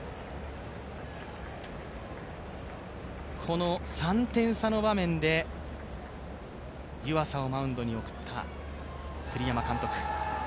この３点差の場面で湯浅をマウンドに送った栗山監督。